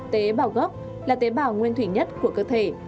tế bảo gốc là tế bảo nguyên thủy nhất của cơ thể